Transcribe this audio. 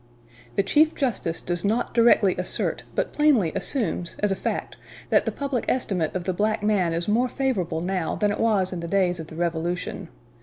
"The Chief Justice does not directly assert, but plainly assumes, as a fact, that the public estimate of the black man is more favorable now than it was in the days of the Revolution.